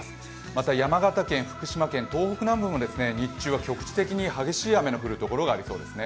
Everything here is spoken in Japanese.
また、山形県福島県、東北南部も日中は局地的に激しい雨の降る所が多くなります。